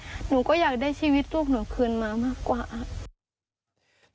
หนูก็อยากได้ชีวิตลูกหนูคืนมามากกว่าครับ